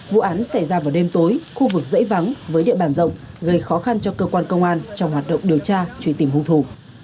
vụ án xảy ra vào đêm tối khu vực dễ vắng với địa bàn rộng gây khó khăn cho cơ quan công an trong hoạt động điều tra truy tìm hung thủ